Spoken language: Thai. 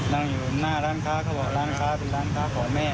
นั่งอยู่หน้าร้านค้าเขาบอกร้านค้าเป็นร้านค้าของแม่